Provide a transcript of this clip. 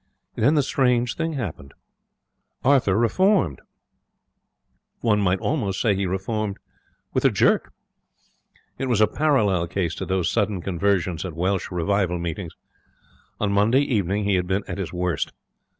And then the strange thing happened. Arthur reformed. One might almost say that he reformed with a jerk. It was a parallel case to those sudden conversions at Welsh revival meetings. On Monday evening he had been at his worst.